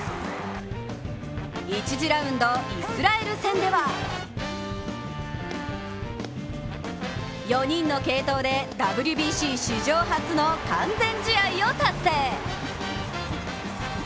１次ラウンド、イスラエル戦では４人の継投でＷＢＣ史上初の完全試合を達成。